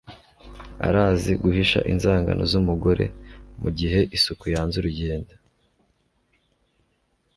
arazi guhisha inzangano zumugore, mugihe isuku yanze urugendo